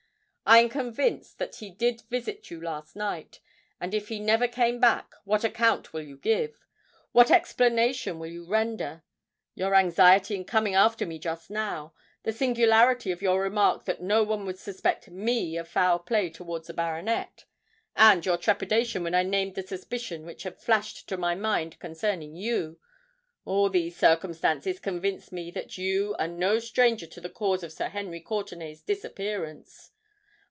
I am convinced that he did visit you last night—and if he never came back, what account will you give?—what explanation will you render? Your anxiety in coming after me just now,—the singularity of your remark that no one would suspect me of foul play towards the baronet,—and your trepidation when I named the suspicion which had flashed to my mind concerning you,—all these circumstances convince me that you are no stranger to the cause of Sir Henry Courtenay's disappearance."